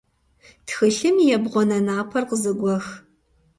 Тхылъым и ебгъуанэ напэр къызэгуэх.